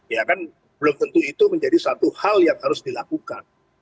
ya kan belum tentu itu menjadi satu hal yang harus dilakukan